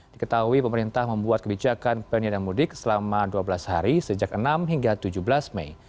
diketahui pemerintah membuat kebijakan penyediaan mudik selama dua belas hari sejak enam hingga tujuh belas mei